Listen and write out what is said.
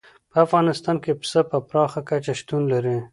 په افغانستان کې پسه په پراخه کچه شتون لري.